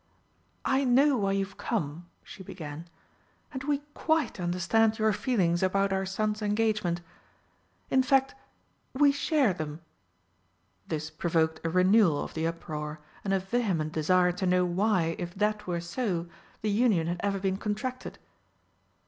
"I know why you've come," she began, "and we quite understand your feelings about our son's engagement. In fact we share them." This provoked a renewal of the uproar and a vehement desire to know why, if that were so, the union had ever been contracted.